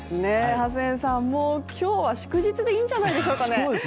ハセンさん、もう今日は祝日でいいんじゃないでしょうかね。